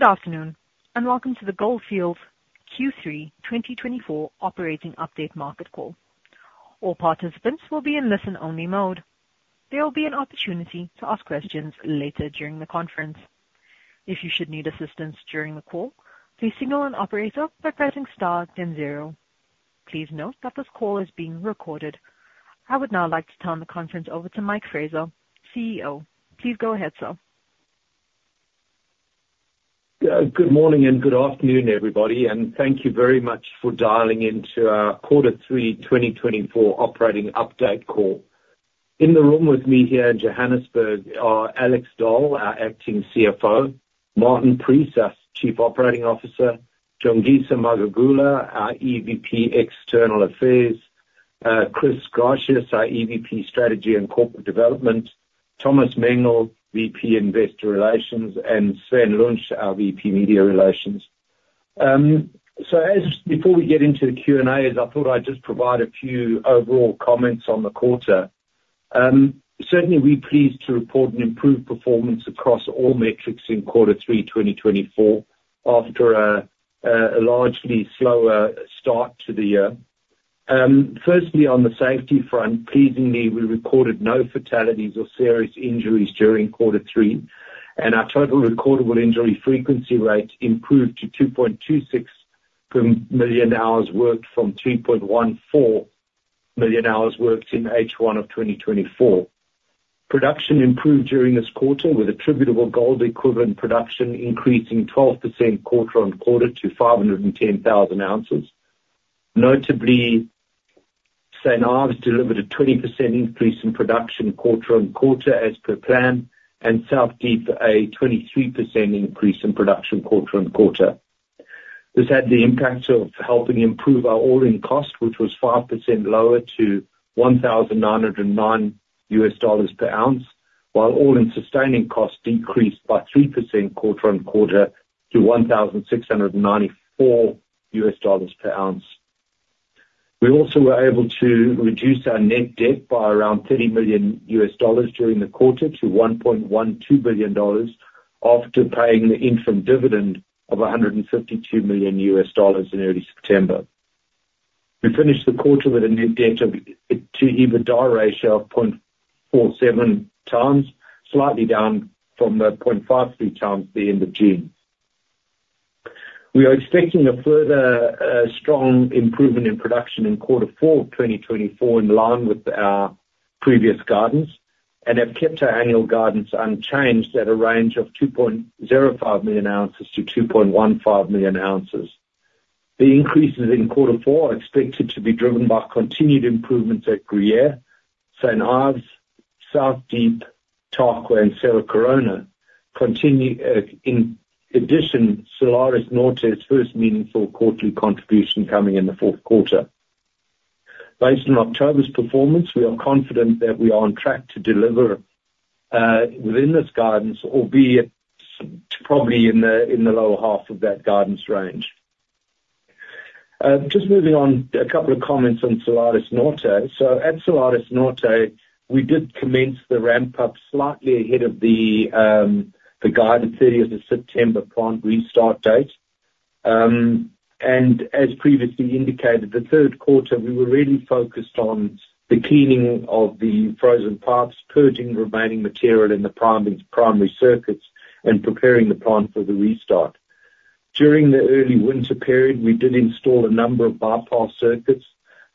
Good afternoon, and welcome to the Gold Fields Q3 2024 Operating Update Market Call. All participants will be in listen-only mode. There will be an opportunity to ask questions later during the conference. If you should need assistance during the call, please signal an operator by pressing star then zero. Please note that this call is being recorded. I would now like to turn the conference over to Mike Fraser, CEO. Please go ahead, sir. Good morning and good afternoon, everybody, and thank you very much for dialing into our quarter three 2024 operating update call. In the room with me here in Johannesburg are Alex Dall, our acting CFO; Martin Preece, our Chief Operating Officer; Jongisa Magagula, our EVP External Affairs; Chris Gerrits, our EVP Strategy and Corporate Development; Thomas Mengel, VP Investor Relations; and Sven Lunsche, our VP Media Relations. As before we get into the Q&As, I thought I'd just provide a few overall comments on the quarter. Certainly, we're pleased to report an improved performance across all metrics in quarter three 2024 after a largely slower start to the year. Firstly, on the safety front, pleasingly, we recorded no fatalities or serious injuries during quarter three, and our total recordable injury frequency rate improved to 2.26 per million hours worked from 2.14 million hours worked in H1 of 2024. Production improved during this quarter, with attributable gold-equivalent production increasing 12% quarter on quarter to 510,000 ounces. Notably, St Ives delivered a 20% increase in production quarter on quarter as per plan, and South Deep a 23% increase in production quarter on quarter. This had the impact of helping improve our all-in cost, which was 5% lower to $1,909 per ounce, while all-in sustaining cost decreased by 3% quarter on quarter to $1,694 per ounce. We also were able to reduce our net debt by around $30 million during the quarter to $1.12 billion after paying the interim dividend of $152 million in early September. We finished the quarter with a net debt to EBITDA ratio of 0.47 times, slightly down from 0.53 times at the end of June. We are expecting a further strong improvement in production in quarter four of 2024 in line with our previous guidance and have kept our annual guidance unchanged at a range of 2.05 million ounces to 2.15 million ounces. The increases in quarter four are expected to be driven by continued improvements at Gruyere, St Ives, South Deep, Tarkwa, and Cerro Corona. In addition, Salares Norte's first meaningful quarterly contribution coming in the fourth quarter. Based on October's performance, we are confident that we are on track to deliver within this guidance, albeit probably in the lower half of that guidance range. Just moving on, a couple of comments on Salares Norte. So, at Salares Norte, we did commence the ramp-up slightly ahead of the guided 30th of September plant restart date. And as previously indicated, the third quarter, we were really focused on the cleaning of the frozen pipes, purging remaining material in the primary circuits, and preparing the plant for the restart. During the early winter period, we did install a number of bypass circuits,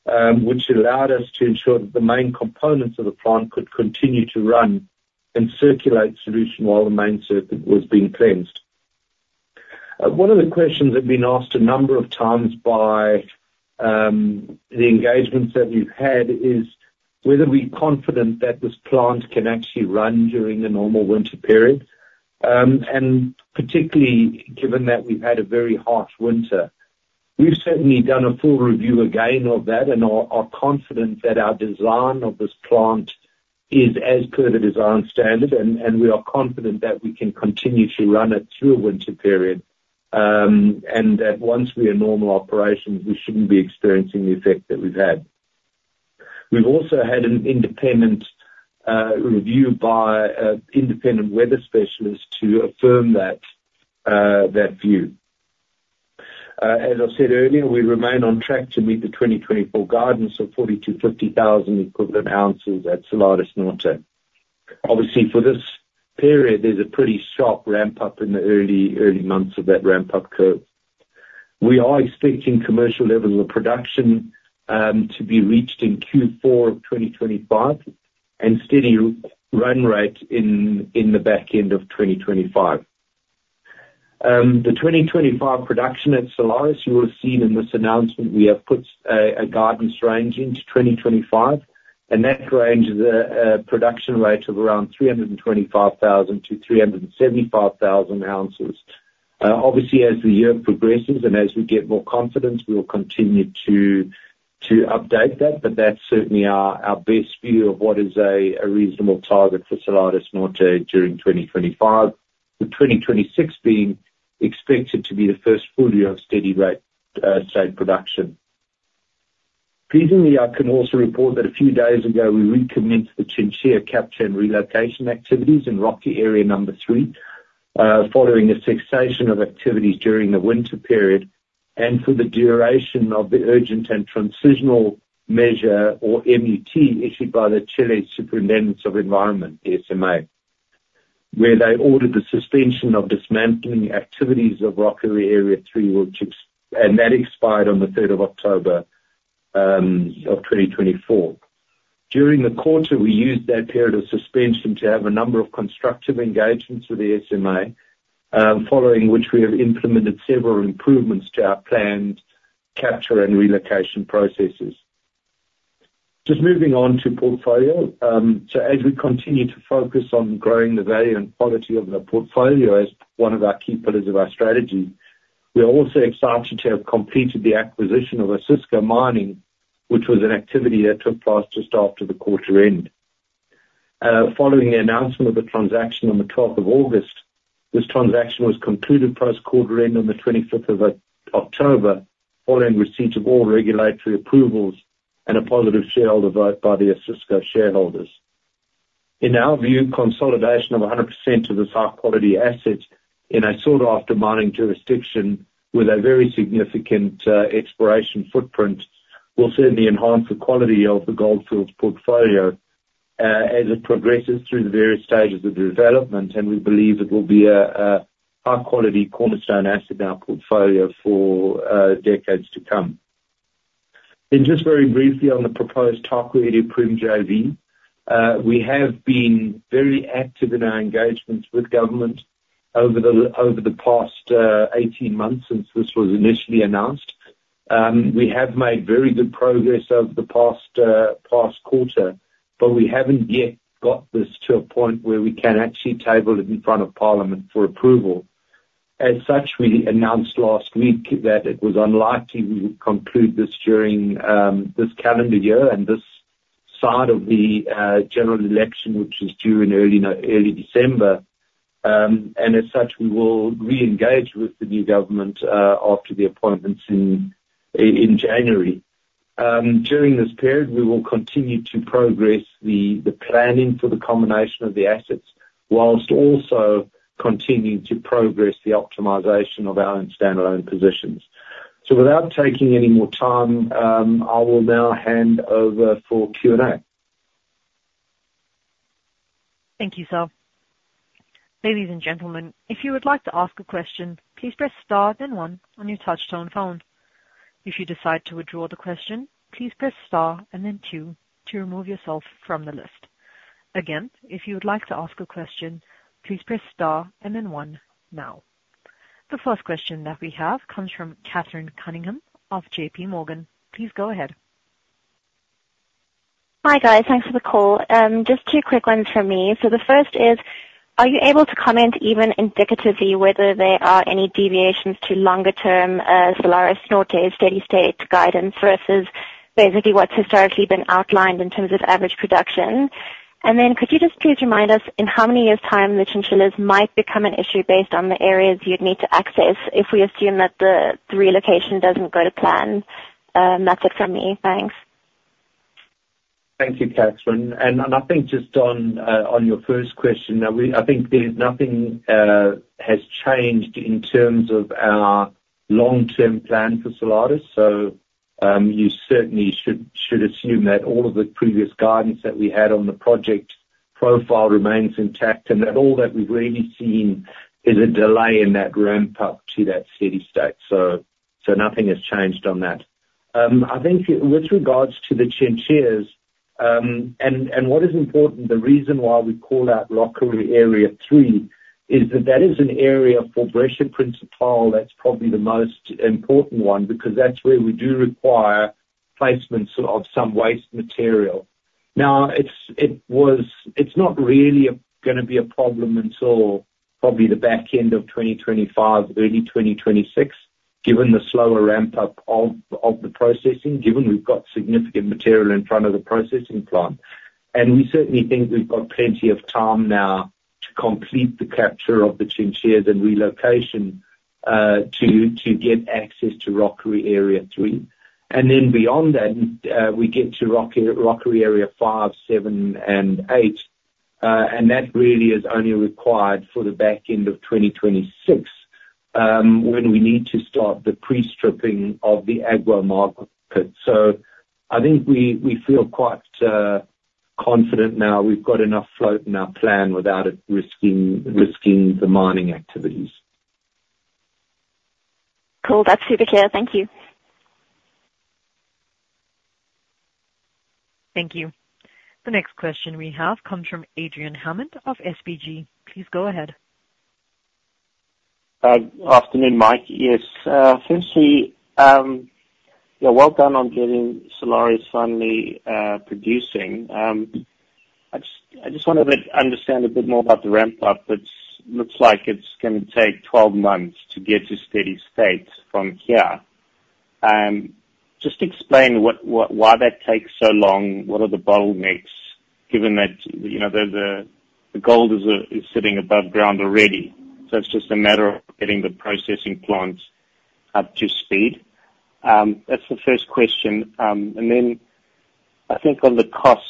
which allowed us to ensure that the main components of the plant could continue to run and circulate solution while the main circuit was being cleansed. One of the questions that's been asked a number of times by the engagements that we've had is whether we're confident that this plant can actually run during the normal winter period, and particularly given that we've had a very harsh winter. We've certainly done a full review again of that and are confident that our design of this plant is as per the design standard, and we are confident that we can continue to run it through a winter period and that once we are normal operations, we shouldn't be experiencing the effect that we've had. We've also had an independent review by an independent weather specialist to affirm that view. As I said earlier, we remain on track to meet the 2024 guidance of 40-50,000 equivalent ounces at Salares Norte. Obviously, for this period, there's a pretty sharp ramp-up in the early months of that ramp-up curve. We are expecting commercial levels of production to be reached in Q4 of 2025 and steady run rate in the back end of 2025. The 2025 production at Salares Norte, you will have seen in this announcement, we have put a guidance range into 2025, and that range is a production rate of around 325,000-375,000 ounces. Obviously, as the year progresses and as we get more confidence, we will continue to update that, but that's certainly our best view of what is a reasonable target for Salares Norte during 2025, with 2026 being expected to be the first full year of steady-state production. Pleasingly, I can also report that a few days ago, we recommenced the chinchilla capture and relocation activities in Rocky Area Three, following the cessation of activities during the winter period and for the duration of the urgent and transitional measure, or MUT, issued by the Chilean Superintendence of the Environment, the SMA, where they ordered the suspension of dismantling activities of Rocky Area Three, which expired on the 3rd of October of 2024. During the quarter, we used that period of suspension to have a number of constructive engagements with the SMA, following which we have implemented several improvements to our planned capture and relocation processes. Just moving on to portfolio. So, as we continue to focus on growing the value and quality of the portfolio as one of our key pillars of our strategy, we are also excited to have completed the acquisition of Osisko Mining, which was an activity that took place just after the quarter end. Following the announcement of the transaction on the 12th of August, this transaction was concluded post-quarter end on the 25th of October, following receipt of all regulatory approvals and a positive shareholder vote by the Osisko shareholders. In our view, consolidation of 100% of the high-quality assets in a sought-after mining jurisdiction with a very significant exploration footprint will certainly enhance the quality of the Gold Fields portfolio as it progresses through the various stages of development, and we believe it will be a high-quality cornerstone asset in our portfolio for decades to come. And just very briefly on the proposed Tarkwa and Iduapriem JV, we have been very active in our engagements with government over the past 18 months since this was initially announced. We have made very good progress over the past quarter, but we haven't yet got this to a point where we can actually table it in front of Parliament for approval. As such, we announced last week that it was unlikely we would conclude this during this calendar year and this side of the general election, which is due in early December. And as such, we will re-engage with the new government after the appointments in January. During this period, we will continue to progress the planning for the combination of the assets whilst also continuing to progress the optimization of our own standalone positions. So, without taking any more time, I will now hand over for Q&A. Thank you, sir. Ladies and gentlemen, if you would like to ask a question, please press star then one on your touch-tone phone. If you decide to withdraw the question, please press star and then two to remove yourself from the list. Again, if you would like to ask a question, please press star and then one now. The first question that we have comes from Catherine Cunningham of JPMorgan. Please go ahead. Hi guys, thanks for the call. Just two quick ones from me. So, the first is, are you able to comment even indicatively whether there are any deviations to longer-term Salares Norte steady-state guidance versus basically what's historically been outlined in terms of average production? And then, could you just please remind us in how many years' time the chinchillas might become an issue based on the areas you'd need to access if we assume that the relocation doesn't go to plan? That's it from me. Thanks. Thank you, Catherine. I think just on your first question, I think nothing has changed in terms of our long-term plan for Salares Norte. So, you certainly should assume that all of the previous guidance that we had on the project profile remains intact and that all that we've really seen is a delay in that ramp-up to that steady state. So, nothing has changed on that. I think with regards to the chinchilla, and what is important, the reason why we call out Rocky Area Three is that that is an area for Brecha Principal that's probably the most important one because that's where we do require placements of some waste material. Now, it's not really going to be a problem until probably the back end of 2025, early 2026, given the slower ramp-up of the processing, given we've got significant material in front of the processing plant. And we certainly think we've got plenty of time now to complete the capture of the chinchillas and relocation to get access to Rocky Area Three. And then beyond that, we get to Rocky Area Five, Seven, and Eight, and that really is only required for the back end of 2026 when we need to start the pre-stripping of the Agua Amarga. So, I think we feel quite confident now we've got enough float in our plan without it risking the mining activities. Cool. That's super clear. Thank you. Thank you. The next question we have comes from Adrian Hammond of SBG. Please go ahead. Good afternoon, Mike. Yes. Firstly, you’re well done on getting Salares Norte finally producing. I just want to understand a bit more about the ramp-up. It looks like it’s going to take 12 months to get to steady state from here. Just explain why that takes so long, what are the bottlenecks, given that the gold is sitting above ground already. So, it’s just a matter of getting the processing plants up to speed. That’s the first question. And then, I think on the costs,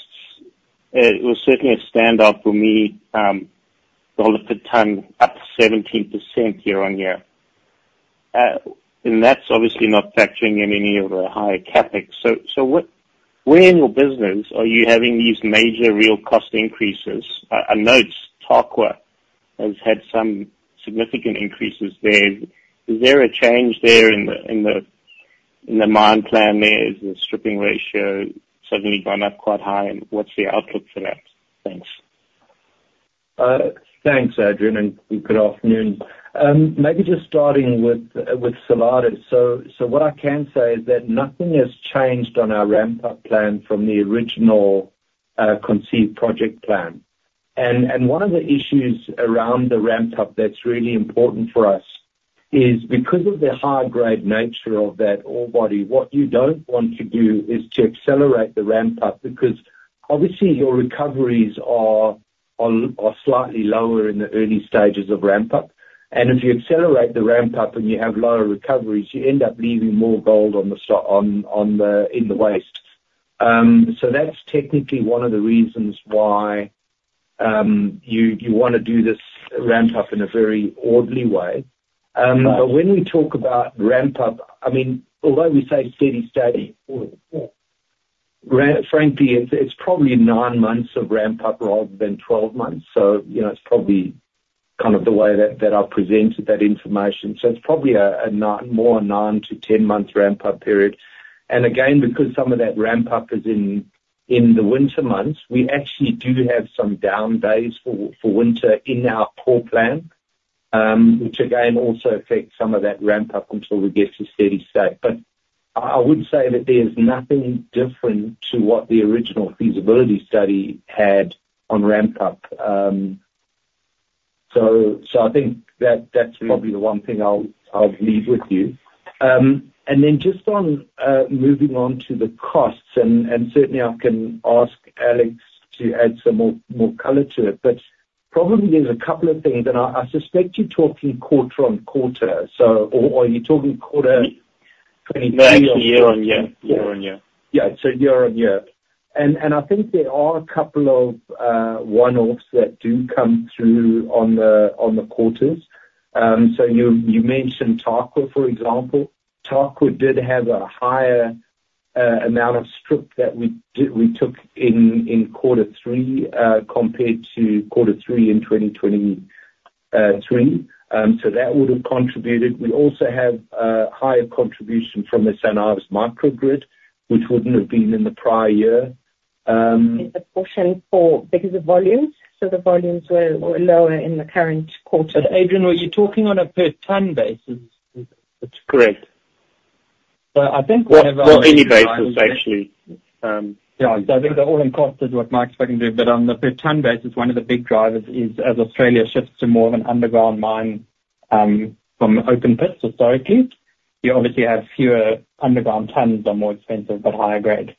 it was certainly a standout for me, $ per ton up 17% year on year. And that’s obviously not factoring in any of the higher CapEx. So, where in your business are you having these major real cost increases? I noticed Tarkwa has had some significant increases there. Is there a change there in the mine plan? Is the stripping ratio suddenly gone up quite high? What's the outlook for that? Thanks. Thanks, Adrian, and good afternoon. Maybe just starting with Salares Norte. So, what I can say is that nothing has changed on our ramp-up plan from the original conceived project plan. And one of the issues around the ramp-up that's really important for us is because of the high-grade nature of that ore body, what you don't want to do is to accelerate the ramp-up because obviously your recoveries are slightly lower in the early stages of ramp-up. And if you accelerate the ramp-up and you have lower recoveries, you end up leaving more gold in the waste. So, that's technically one of the reasons why you want to do this ramp-up in a very orderly way. But when we talk about ramp-up, I mean, although we say steady state, frankly, it's probably nine months of ramp-up rather than 12 months. So, it's probably kind of the way that I've presented that information. So, it's probably a more nine- to 10-month ramp-up period. And again, because some of that ramp-up is in the winter months, we actually do have some down days for winter in our core plan, which again also affects some of that ramp-up until we get to steady state. But I would say that there's nothing different to what the original feasibility study had on ramp-up. So, I think that's probably the one thing I'll leave with you. And then just on moving on to the costs, and certainly I can ask Alex to add some more color to it, but probably there's a couple of things. And I suspect you're talking quarter on quarter, or are you talking quarter 2024? Yeah, year on year. Yeah, so year on year. And I think there are a couple of one-offs that do come through on the quarters. You mentioned Tarkwa, for example. Tarkwa did have a higher amount of strip that we took in quarter three compared to quarter three in 2023. That would have contributed. We also have a higher contribution from the St Ives Microgrid, which wouldn't have been in the prior year. Is the portion for because of volumes? So, the volumes were lower in the current quarter. But Adrian, are you talking on a per ton basis? Correct. So, I think we have our. Well, any basis, actually. Yeah, I think they're all inconsistent with what we're expecting to do, but on the per ton basis, one of the big drivers is as Australia shifts to more of an underground mine from open pits, historically, you obviously have fewer underground tons that are more expensive, but higher grade.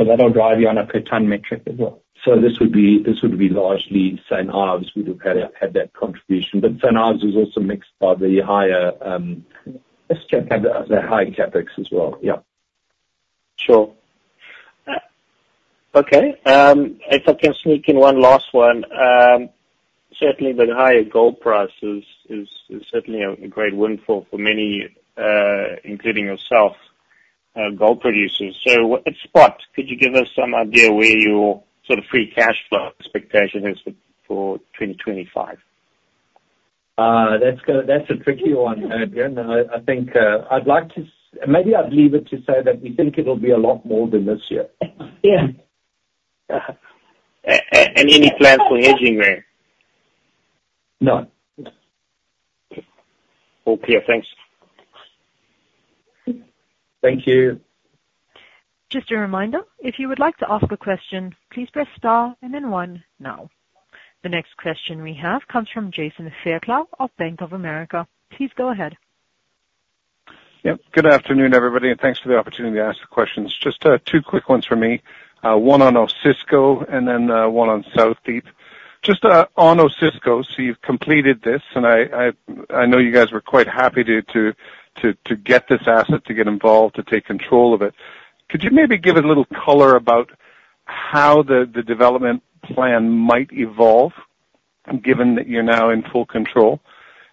So, that'll drive you on a per ton metric as well. So, this would be largely St Ives. We do have that contribution. But St Ives is also mixed by the higher. Let's check the high CapEx as well. Yeah. Sure. Okay. If I can sneak in one last one, certainly the higher gold price is certainly a great win for many, including yourself, gold producers. So, at spot, could you give us some idea where your sort of free cash flow expectation is for 2025? That's a tricky one, Adrian. I think I'd like to maybe leave it to say that we think it'll be a lot more than this year. Yeah and any plans for hedging there? No. All clear. Thanks. Thank you. Just a reminder, if you would like to ask a question, please press star and then one now. The next question we have comes from Jason Fairclough of Bank of America. Please go ahead. Yep. Good afternoon, everybody, and thanks for the opportunity to ask the questions. Just two quick ones for me. One on Osisko and then one on South Deep. Just on Osisko, so you've completed this, and I know you guys were quite happy to get this asset, to get involved, to take control of it. Could you maybe give a little color about how the development plan might evolve given that you're now in full control?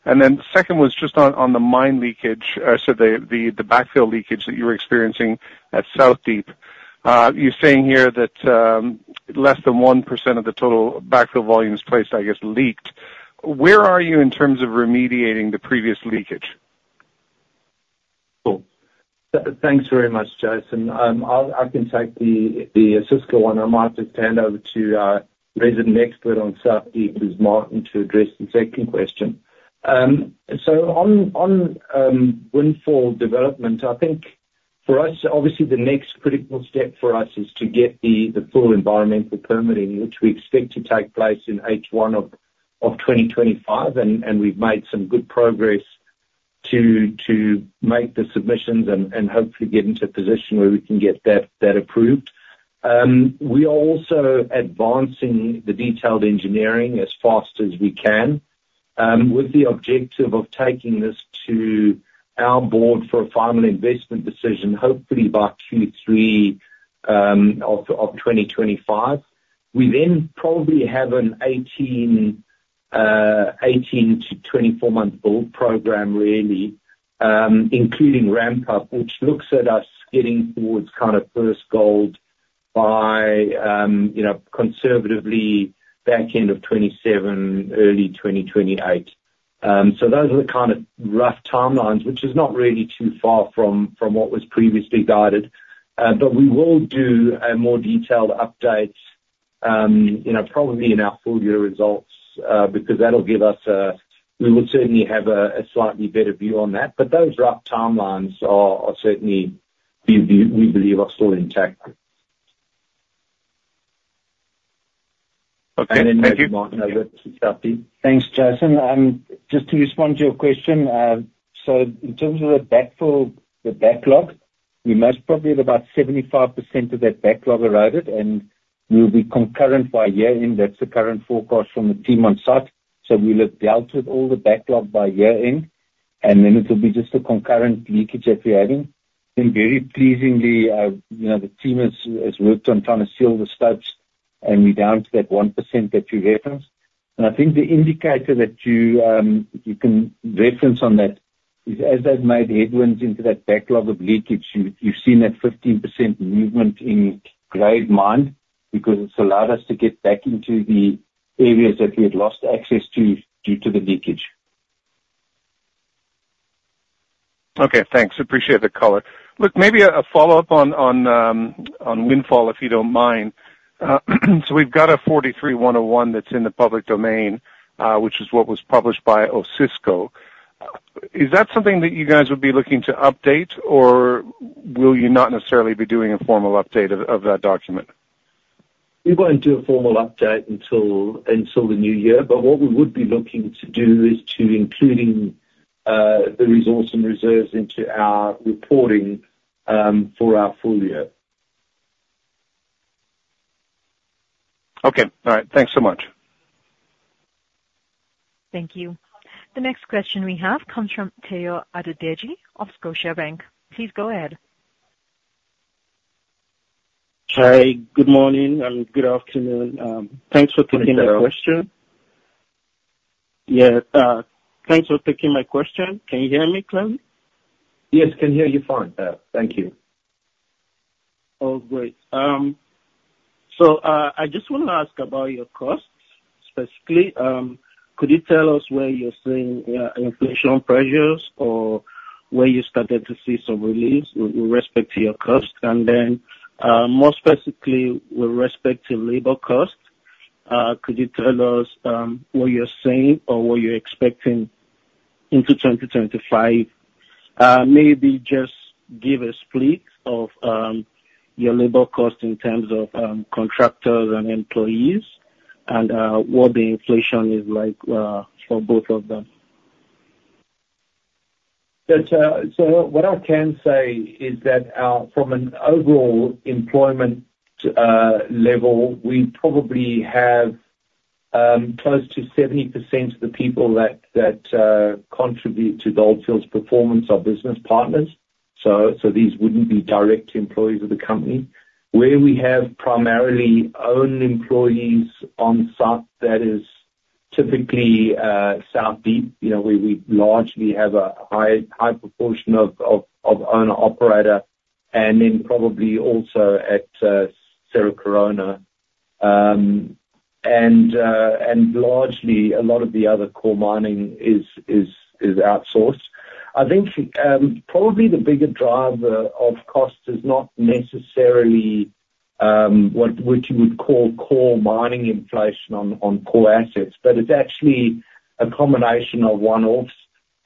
And then the second was just on the mine leakage, so the backfill leakage that you were experiencing at South Deep. You're saying here that less than 1% of the total backfill volume is placed, I guess, leaked. Where are you in terms of remediating the previous leakage? Cool. Thanks very much, Jason. I can take the Osisko one. I might just hand over to Martin Preece on South Deep to address the second question. So, on Windfall development, I think for us, obviously the next critical step for us is to get the full environmental permitting, which we expect to take place in H1 of 2025. And we've made some good progress to make the submissions and hopefully get into a position where we can get that approved. We are also advancing the detailed engineering as fast as we can with the objective of taking this to our board for a final investment decision, hopefully by Q3 of 2025. We then probably have an 18-24-month build program, really, including ramp-up, which looks at us getting towards kind of first gold by conservatively back end of 2027, early 2028. Those are the kind of rough timelines, which is not really too far from what was previously guided. But we will do a more detailed update probably in our full year results because that'll give us we will certainly have a slightly better view on that. But those rough timelines are certainly, we believe, are still intact. Okay. Thank you. And then maybe Martin over to South Deep. Thanks, Jason. Just to respond to your question, so in terms of the backlog, we're most probably at about 75% of that backlog eroded, and we'll be current by year-end. That's the current forecast from the team on site so we'll have dealt with all the backlog by year-end, and then it'll be just the current leakage that we're having, and very pleasingly, the team has worked on trying to seal the slopes and be down to that 1% that you referenced and I think the indicator that you can reference on that is, as they've made headway into that backlog of leakage, you've seen that 15% movement in grade mined because it's allowed us to get back into the areas that we had lost access to due to the leakage. Okay. Thanks. Appreciate the color. Look, maybe a follow-up on Windfall, if you don't mind. So, we've got a 43-101 that's in the public domain, which is what was published by Osisko. Is that something that you guys would be looking to update, or will you not necessarily be doing a formal update of that document? We won't do a formal update until the new year, but what we would be looking to do is to include the resource and reserves into our reporting for our full year. Okay. All right. Thanks so much. Thank you. The next question we have comes from Tayo Adedeji of Scotiabank. Please go ahead. Hey, good morning and good afternoon. Thanks for taking my question. Thank you, Tayo. Yeah. Thanks for taking my question. Can you hear me, clearly? Yes. Can hear you fine. Thank you. All great. So, I just want to ask about your costs, specifically. Could you tell us where you're seeing inflation pressures or where you started to see some relief with respect to your cost? And then more specifically, with respect to labor costs, could you tell us what you're seeing or what you're expecting into 2025? Maybe just give a split of your labor costs in terms of contractors and employees and what the inflation is like for both of them. So, what I can say is that from an overall employment level, we probably have close to 70% of the people that contribute to Gold Fields' performance are business partners. So, these wouldn't be direct employees of the company. Where we have primarily owned employees on site, that is typically South Deep, where we largely have a high proportion of owner-operator, and then probably also at Cerro Corona. And largely, a lot of the other core mining is outsourced. I think probably the bigger driver of cost is not necessarily what you would call core mining inflation on core assets, but it's actually a combination of one-offs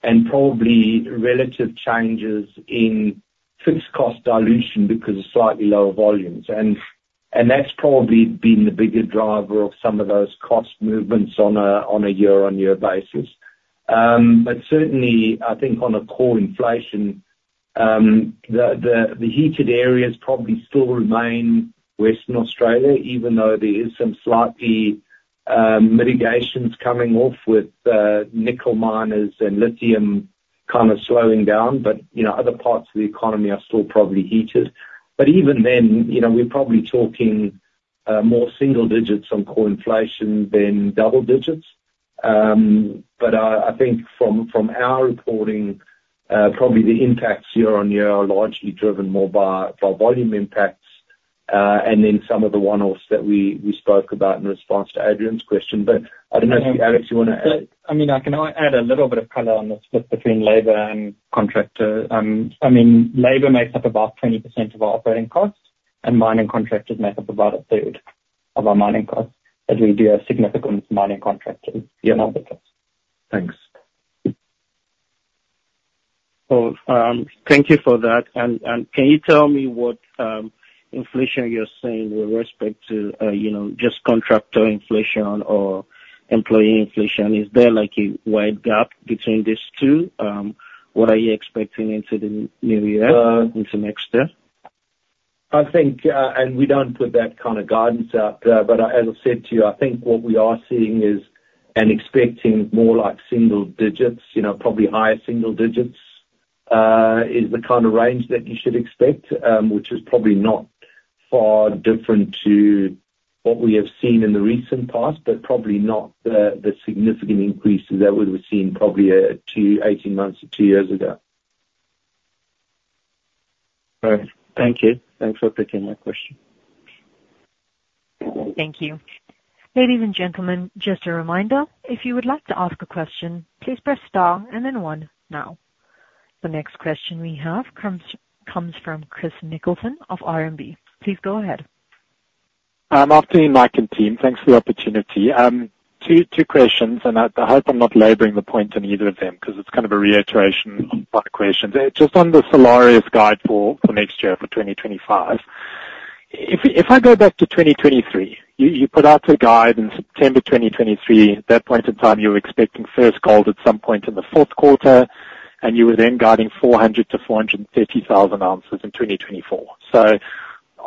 and probably relative changes in fixed cost dilution because of slightly lower volumes. And that's probably been the bigger driver of some of those cost movements on a year-on-year basis. But certainly, I think on core inflation, the heated areas probably still remain Western Australia, even though there is some slight mitigations coming off with nickel miners and lithium kind of slowing down. But other parts of the economy are still probably heated. But even then, we're probably talking more single digits on core inflation than double digits. But I think from our reporting, probably the impacts year-on-year are largely driven more by volume impacts and then some of the one-offs that we spoke about in response to Adrian's question. But I don't know if you, Alex, want to add. I mean, I can add a little bit of color on the split between labor and contractor. I mean, labor makes up about 20% of our operating costs, and mining contractors make up about a third of our mining costs. But we do have significant mining contractors in our business. Thanks. Well, thank you for that. And can you tell me what inflation you're seeing with respect to just contractor inflation or employee inflation? Is there a wide gap between these two? What are you expecting into the new year, into next year? I think, and we don't put that kind of guidance out there, but as I said to you, I think what we are seeing is and expecting more like single digits, probably higher single digits, is the kind of range that you should expect, which is probably not far different to what we have seen in the recent past, but probably not the significant increases that we were seeing probably 18 months or two years ago. All right. Thank you. Thanks for taking my question. Thank you. Ladies and gentlemen, just a reminder, if you would like to ask a question, please press star and then one now. The next question we have comes from Chris Nicholson of RMB. Please go ahead. I'm after you, Mike and team. Thanks for the opportunity. Two questions, and I hope I'm not laboring the point on either of them because it's kind of a reiteration of my questions. Just on the Salares Norte guide for next year, for 2025, if I go back to 2023, you put out a guide in September 2023. At that point in time, you were expecting first gold at some point in the fourth quarter, and you were then guiding 400-430,000 ounces in 2024. So,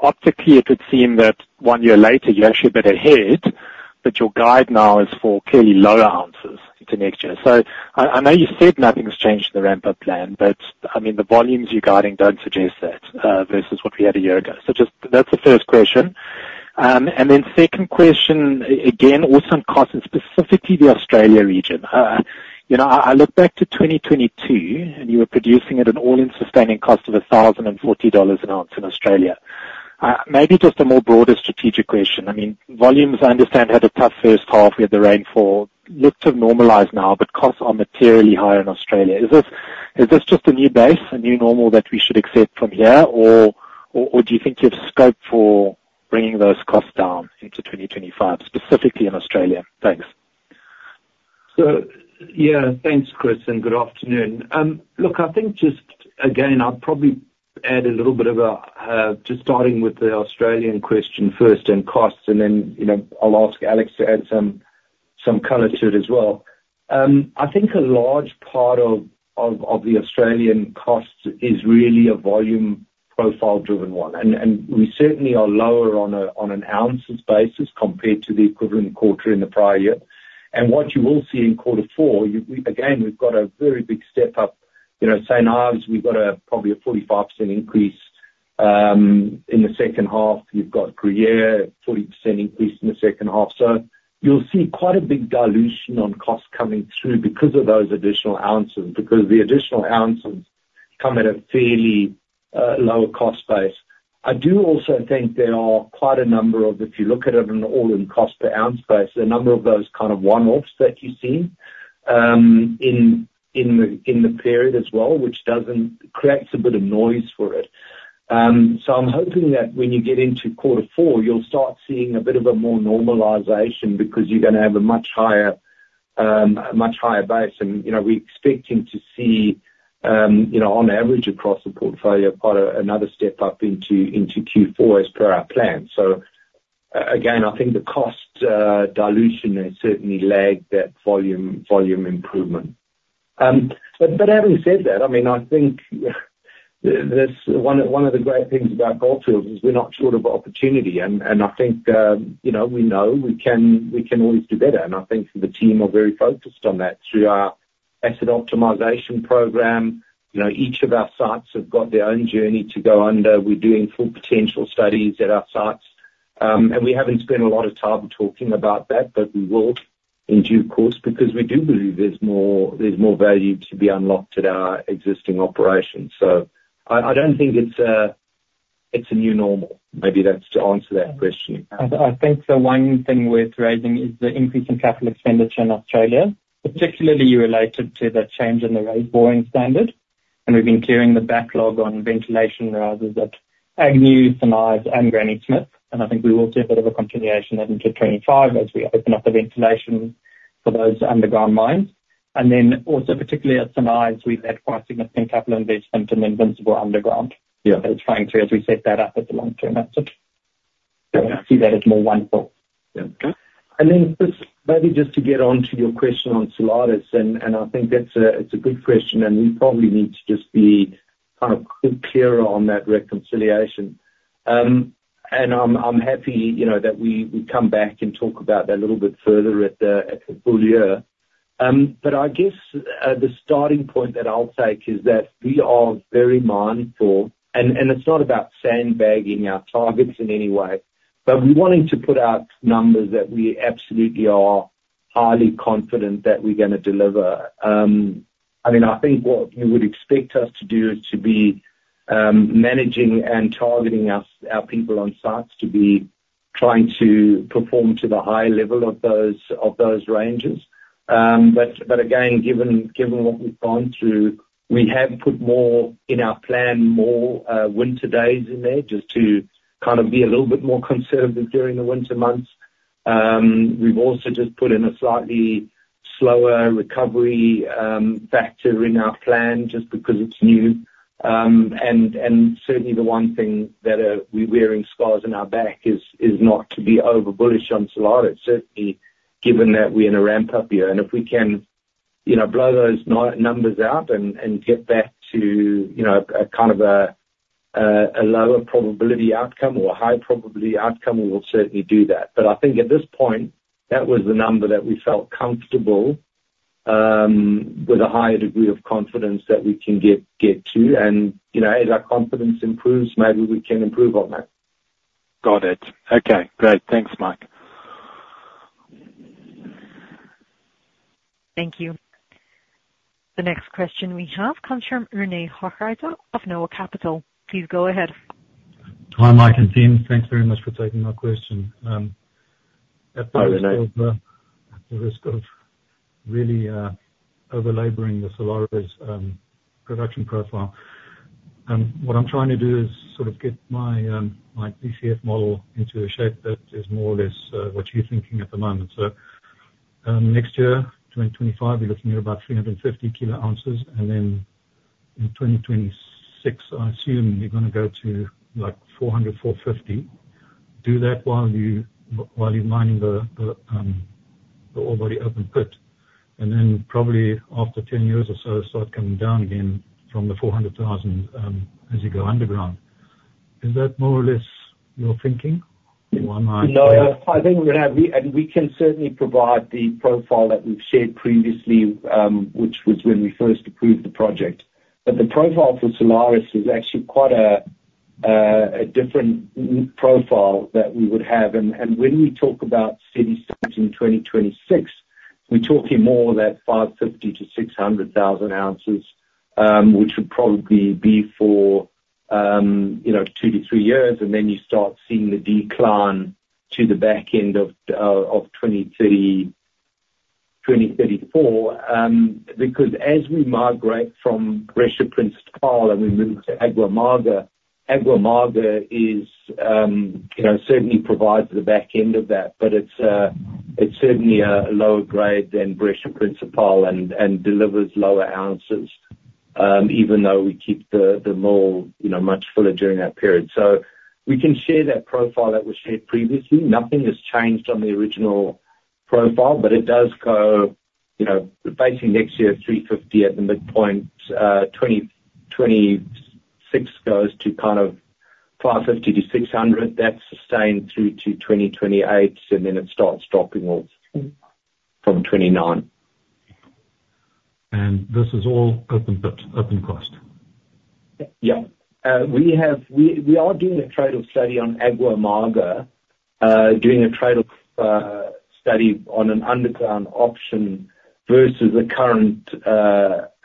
optically, it would seem that one year later, you're actually a bit ahead, but your guide now is for clearly lower ounces into next year. So, I know you said nothing's changed in the ramp-up plan, but I mean, the volumes you're guiding don't suggest that versus what we had a year ago. So, just that's the first question. And then second question, again, also on costs and specifically the Australia region. I look back to 2022, and you were producing at an all-in sustaining cost of $1,040 an ounce in Australia. Maybe just a more broader strategic question. I mean, volumes, I understand, had a tough first half. We had the rainfall. Looks have normalized now, but costs are materially higher in Australia. Is this just a new base, a new normal that we should accept from here, or do you think you have scope for bringing those costs down into 2025, specifically in Australia? Thanks. So, yeah. Thanks, Chris, and good afternoon. Look, I think just, again, I'll probably add a little bit of a just starting with the Australian question first and costs, and then I'll ask Alex to add some color to it as well. I think a large part of the Australian costs is really a volume profile-driven one. And we certainly are lower on an ounces basis compared to the equivalent quarter in the prior year. And what you will see in quarter four, again, we've got a very big step up. St Ives, we've got probably a 45% increase in the second half. You've got Gruyere, 40% increase in the second half. So, you'll see quite a big dilution on costs coming through because of those additional ounces, because the additional ounces come at a fairly lower cost base. I do also think there are quite a number of, if you look at it on an all-in cost per ounce basis, the number of those kind of one-offs that you've seen in the period as well, which creates a bit of noise for it. I'm hoping that when you get into quarter four, you'll start seeing a bit of a more normalization because you're going to have a much higher base. We're expecting to see, on average across the portfolio, quite another step up into Q4 as per our plan. Again, I think the cost dilution has certainly lagged that volume improvement. Having said that, I mean, I think one of the great things about Gold Fields is we're not short of opportunity. I think we know we can always do better. And I think the team are very focused on that through our asset optimization program. Each of our sites have got their own journey to go under. We're doing Full Potential studies at our sites. And we haven't spent a lot of time talking about that, but we will in due course because we do believe there's more value to be unlocked at our existing operations. So, I don't think it's a new normal. Maybe that's to answer that question. I think the one thing worth raising is the increase in capital expenditure in Australia, particularly related to the change in the raise boring standard, and we've been clearing the backlog on ventilation raises at Agnew, St Ives, and Granny Smith, and I think we will see a bit of a continuation into 2025 as we open up the ventilation for those underground mines, and then also, particularly at St Ives, we've had quite significant capital investment in Invincible Underground. So, it's fine too, as we set that up as a long-term asset. I see that as more wonderful. And then, maybe just to get on to your question on Salares Norte, and I think that's a good question, and we probably need to just be kind of clearer on that reconciliation. And I'm happy that we come back and talk about that a little bit further at the full year. But I guess the starting point that I'll take is that we are very mindful, and it's not about sandbagging our targets in any way, but we're wanting to put out numbers that we absolutely are highly confident that we're going to deliver. I mean, I think what you would expect us to do is to be managing and targeting our people on sites to be trying to perform to the high level of those ranges. But again, given what we've gone through, we have put more in our plan, more winter days in there just to kind of be a little bit more conservative during the winter months. We've also just put in a slightly slower recovery factor in our plan just because it's new. And certainly, the one thing that we're wearing scars on our back is not to be over-bullish on Salares Norte, certainly given that we're in a ramp-up year. And if we can blow those numbers out and get back to kind of a lower probability outcome or a high probability outcome, we will certainly do that. But I think at this point, that was the number that we felt comfortable with a higher degree of confidence that we can get to. And as our confidence improves, maybe we can improve on that. Got it. Okay. Great. Thanks, Mike. Thank you. The next question we have comes from René Hochreiter of Noah Capital Markets. Please go ahead. Hi, Mike and team. Thanks very much for taking my question. At the risk of really over-laboring the Salares Norte production profile, what I'm trying to do is sort of get my FCF model into a shape that is more or less what you're thinking at the moment. So, next year, 2025, we're looking at about 350koz. And then in 2026, I assume you're going to go to like 400, 450. Do that while you're mining the Agua Amarga open pit. And then probably after 10 years or so, start coming down again from the 400,000 as you go underground. Is that more or less your thinking? No, I think we're going to have and we can certainly provide the profile that we've shared previously, which was when we first approved the project. But the profile for Salares Norte is actually quite a different profile that we would have. And when we talk about steady state in 2026, we're talking more than 550-600,000 ounces, which would probably be for two to three years. And then you start seeing the decline to the back end of 2034 because as we migrate from Brecha Principal and we move to Agua Amarga, Agua Amarga certainly provides the back end of that, but it's certainly a lower grade than Brecha Principal and delivers lower ounces, even though we keep the mill much fuller during that period. So, we can share that profile that was shared previously. Nothing has changed on the original profile, but it does go basically next year at 350 at the midpoint. 2026 goes to kind of 550-600. That's sustained through to 2028, and then it starts dropping off from 2029. This is all open pit, open cast? Yep. We are doing a trade-off study on Agua Amarga, doing a trade-off study on an underground option versus the current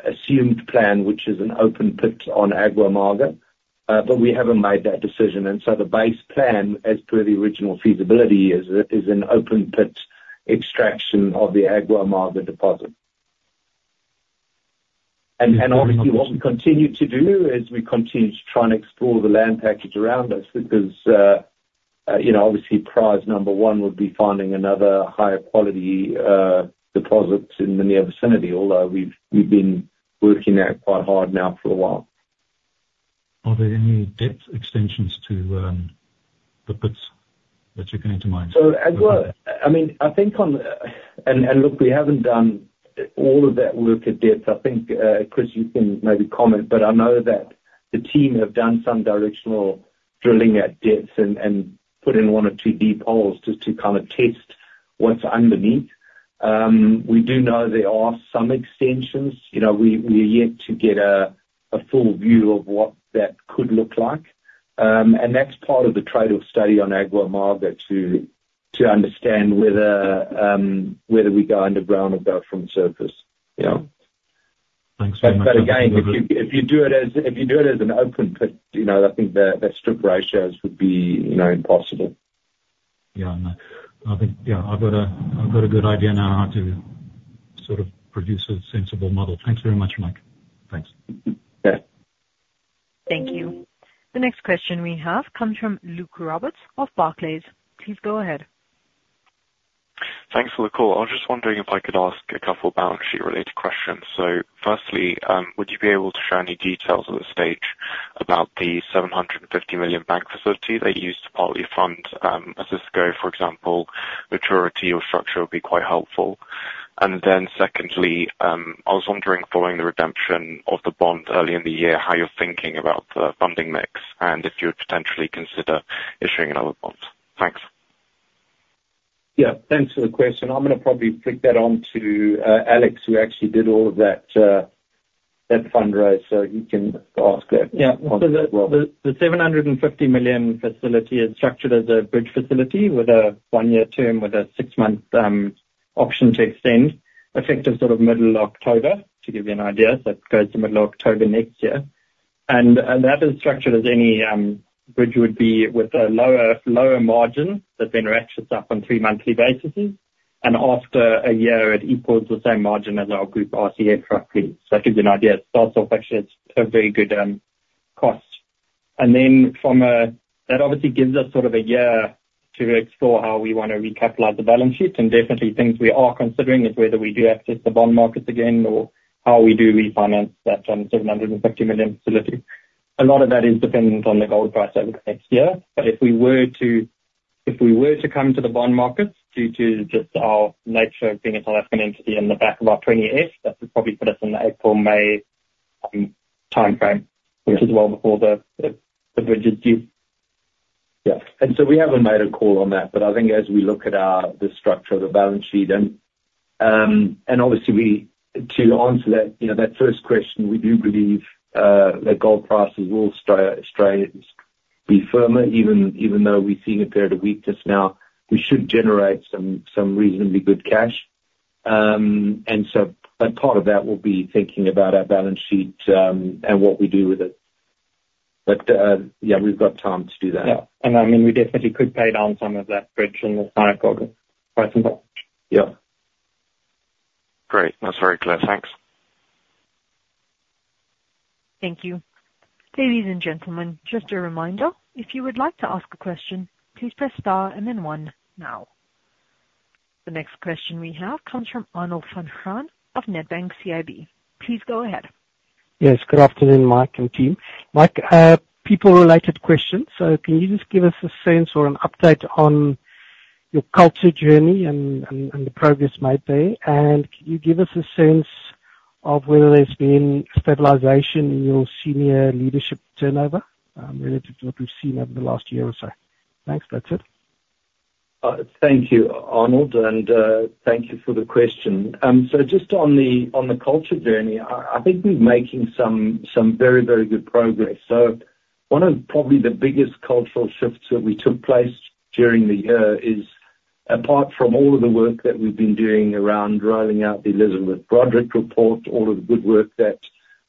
assumed plan, which is an open pit on Agua Amarga. But we haven't made that decision, and so the base plan, as per the original feasibility, is an open pit extraction of the Agua Amarga deposit, and obviously, what we continue to do is we continue to try and explore the land package around us because obviously, prize number one would be finding another higher quality deposit in the near vicinity, although we've been working that quite hard now for a while. Are there any depth extensions to the pits that you're going to mine? So, Agua Amarga, I mean, I think on and look, we haven't done all of that work at depth. I think, Chris, you can maybe comment, but I know that the team have done some directional drilling at depth and put in one or two deep holes just to kind of test what's underneath. We do know there are some extensions. We are yet to get a full view of what that could look like. And that's part of the trade-off study on Agua Amarga to understand whether we go underground or go from surface. Thanks very much, Mike. But again, if you do it as an open pit, I think that strip ratios would be impossible. Yeah. I think, yeah, I've got a good idea now how to sort of produce a sensible model. Thanks very much, Mike. Thanks. Thank you. The next question we have comes from Luke Roberts of Barclays. Please go ahead. Thanks, Luke. I was just wondering if I could ask a couple of balance sheet-related questions. So, firstly, would you be able to share any details at this stage about the $750 million bank facility they use to partly fund Osisko, for example, maturity or structure would be quite helpful? And then secondly, I was wondering, following the redemption of the bond early in the year, how you're thinking about the funding mix and if you would potentially consider issuing another bond. Thanks. Yeah. Thanks for the question. I'm going to probably flick that on to Alex, who actually did all of that fundraise, so he can ask that. Yeah. The $750 million facility is structured as a bridge facility with a one-year term with a six-month option to extend, effective sort of middle of October, to give you an idea. So, it goes to middle of October next year. And that is structured as any bridge would be with a lower margin that then ratchets up on three-monthly bases. And after a year, it equals the same margin as our group RCF roughly. So, that gives you an idea. It starts off actually as a very good cost. And then from that obviously gives us sort of a year to explore how we want to recapitalize the balance sheet. And definitely, things we are considering is whether we do access the bond markets again or how we do refinance that $750 million facility. A lot of that is dependent on the gold price over the next year. But if we were to come into the bond markets due to just our nature of being a South African entity in the back of our 20-F, that would probably put us in the April, May timeframe, which is well before the bridge is due. Yeah. And so, we haven't made a call on that, but I think as we look at the structure of the balance sheet and obviously, to answer that first question, we do believe that gold prices will be firmer, even though we're seeing a period of weakness now. We should generate some reasonably good cash. And so, but part of that will be thinking about our balance sheet and what we do with it. But yeah, we've got time to do that. Yeah, and I mean, we definitely could pay down some of that bridge in the cycle. Yep. Great. That's very clear. Thanks. Thank you. Ladies and gentlemen, just a reminder, if you would like to ask a question, please press star and then one now. The next question we have comes from Arnold Van Graan of Nedbank CIB. Please go ahead. Yes. Good afternoon, Mike and team. Mike, people-related questions. So, can you just give us a sense or an update on your culture journey and the progress made there? And can you give us a sense of whether there's been stabilization in your senior leadership turnover relative to what we've seen over the last year or so? Thanks. That's it. Thank you, Arnold, and thank you for the question. So, just on the culture journey, I think we're making some very, very good progress. So, one of probably the biggest cultural shifts that we took place during the year is, apart from all of the work that we've been doing around rolling out the Elizabeth Broderick report, all of the good work that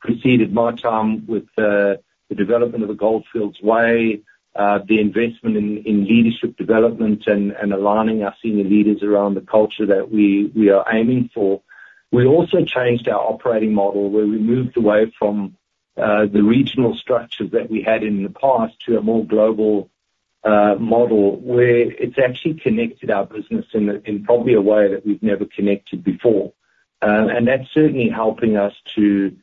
preceded my time with the development of the Gold Fields Way, the investment in leadership development and aligning our senior leaders around the culture that we are aiming for. We also changed our operating model where we moved away from the regional structures that we had in the past to a more global model where it's actually connected our business in probably a way that we've never connected before. And that's certainly helping us to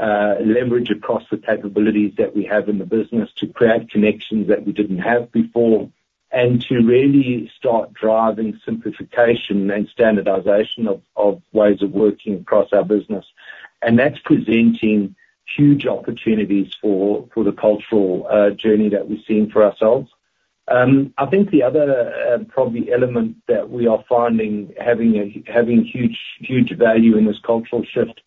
leverage across the capabilities that we have in the business to create connections that we didn't have before and to really start driving simplification and standardization of ways of working across our business. And that's presenting huge opportunities for the cultural journey that we're seeing for ourselves. I think the other probably element that we are finding having huge value in this cultural shift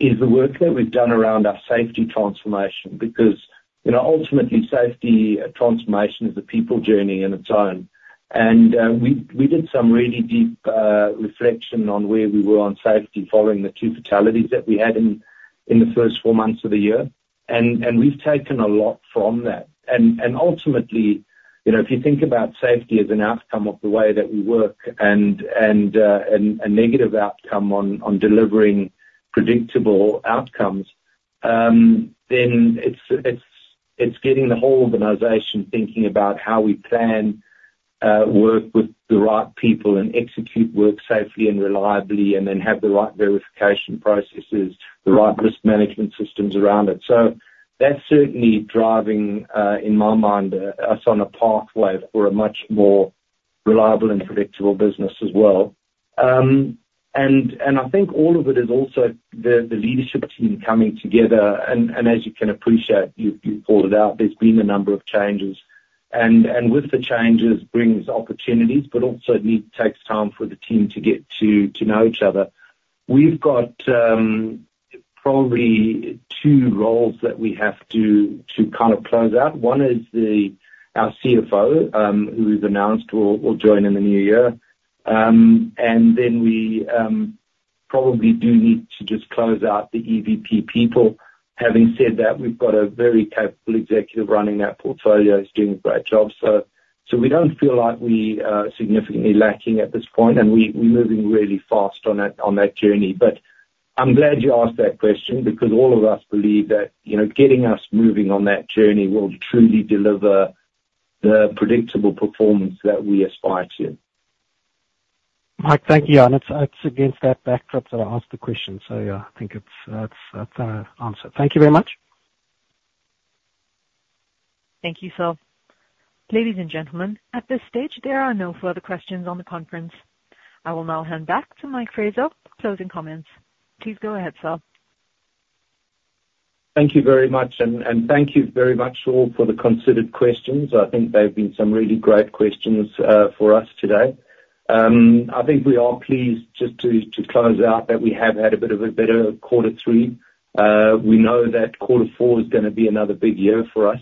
is the work that we've done around our safety transformation because ultimately, safety transformation is a people journey in its own. And we did some really deep reflection on where we were on safety following the two fatalities that we had in the first four months of the year. And we've taken a lot from that. And ultimately, if you think about safety as an outcome of the way that we work and a negative outcome on delivering predictable outcomes, then it's getting the whole organization thinking about how we plan, work with the right people, and execute work safely and reliably, and then have the right verification processes, the right risk management systems around it. So, that's certainly driving, in my mind, us on a pathway for a much more reliable and predictable business as well. And I think all of it is also the leadership team coming together. And as you can appreciate, you've called it out, there's been a number of changes. And with the changes brings opportunities, but also need takes time for the team to get to know each other. We've got probably two roles that we have to kind of close out. One is our CFO, who we've announced will join in the new year. And then we probably do need to just close out the EVP people. Having said that, we've got a very capable executive running that portfolio who's doing a great job. So, we don't feel like we are significantly lacking at this point, and we're moving really fast on that journey. But I'm glad you asked that question because all of us believe that getting us moving on that journey will truly deliver the predictable performance that we aspire to. Mike, thank you, and it's against that backdrop that I asked the question, so yeah, I think that's an answer. Thank you very much. Thank you, sir. Ladies and gentlemen, at this stage, there are no further questions on the conference. I will now hand back to Mike Fraser for closing comments. Please go ahead, sir. Thank you very much, and thank you very much all for the considered questions. I think they've been some really great questions for us today. I think we are pleased just to close out that we have had a bit of a better quarter three. We know that quarter four is going to be another big year for us.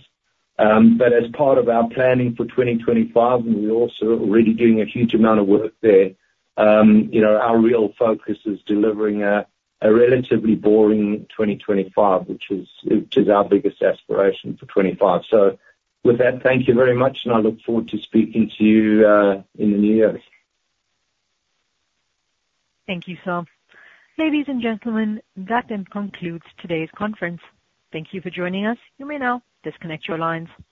But as part of our planning for 2025, and we're also already doing a huge amount of work there, our real focus is delivering a relatively boring 2025, which is our biggest aspiration for 2025. So, with that, thank you very much, and I look forward to speaking to you in the new year. Thank you, sir. Ladies and gentlemen, that then concludes today's conference. Thank you for joining us. You may now disconnect your lines.